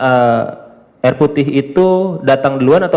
air putih itu datang duluan atau